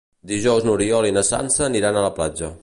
Dijous n'Oriol i na Sança aniran a la platja.